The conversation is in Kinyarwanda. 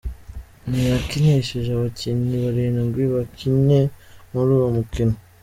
Ntiyakinishije abakinnyi barindwi bakinnye muri uwo mukino.